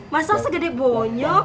masalah segede bonyok